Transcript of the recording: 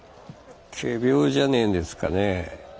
仮病じゃねえんですかねえ。